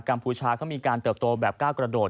พูชาเขามีการเติบโตแบบก้าวกระโดด